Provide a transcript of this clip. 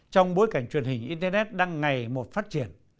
trong bối cảnh truyền hình internet đang ngày một phát triển